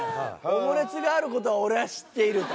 「オムレツがあることを俺は知っている」。